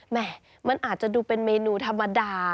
แม่มันอาจจะดูเป็นเมนูธรรมดา